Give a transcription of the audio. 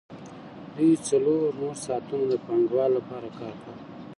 دوی څلور نور ساعتونه د پانګوال لپاره کار کاوه